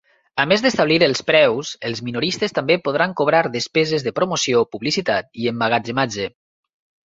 A més d'establir els preus, els minoristes també podran cobrar despeses de promoció, publicitat i emmagatzematge.